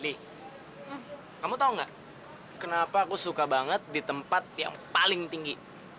kamu tau gak kenapa aku suka banget di tempat yang paling tinggi